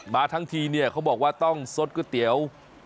มาทั้งทีเนี่ยเขาบอกว่าต้องสดก๋วยเตี๋ยว